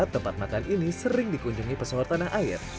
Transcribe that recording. tempat makan ini sering dikunjungi pesawat tanah air